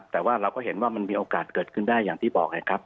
แต่ว่าเราก็เห็นว่ามันมีโอกาสเกิดขึ้นได้อย่างที่บอกไงครับ